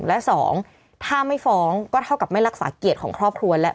และสองถ้าไม่ฟ้องก็เท่ากับไม่รักษาเกียรติของครอบครัวแล้ว